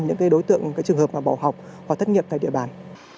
những đối tượng trường hợp bỏ học hoặc thất nghiệp tại địa bàn